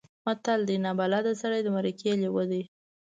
متل دی: نابلده سړی د مرکې لېوه دی.